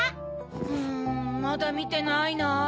うんまだみてないな。